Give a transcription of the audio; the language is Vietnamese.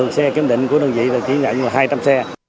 xe kiểm định của đơn vị là chỉ nhận là hai trăm linh xe